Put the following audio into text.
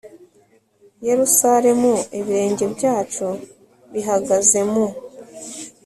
yerusalemu ibirenge byacu bihagaze mu